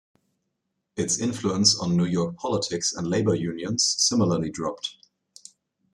Its influence on New York politics and labor unions similarly dropped.